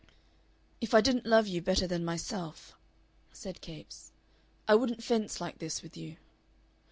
"If I didn't love you better than myself," said Capes, "I wouldn't fence like this with you.